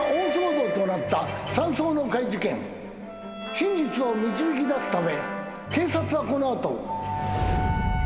真実を導きだすため警察はこの後。